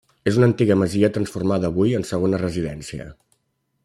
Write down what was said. És una antiga masia transformada avui en segona residència.